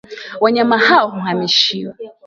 wanyama hao huhamishiwa